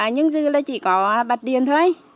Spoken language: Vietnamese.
nhưng dư là chỉ có bật điền thôi chỉ có băng máy bơm